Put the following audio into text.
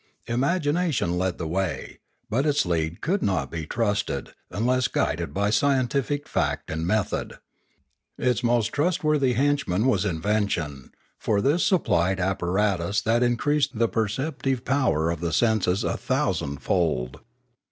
Imagination led the way; but its lead could not be trusted unless guided by scientific fact and method. Its most trustworthy henchman was invention; for this supplied apparatus that increased the perceptive pow ers of the senses a thousandfold.